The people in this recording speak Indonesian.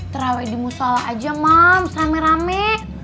taraweeh di mushollah aja moms rame rame